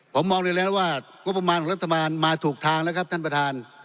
ผมมองได้แล้วว่างบประมาณของรัฐบาลมาถูกทางแล้วครับท่านประธาน